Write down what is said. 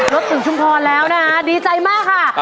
ถึงชุมพรแล้วนะคะดีใจมากค่ะ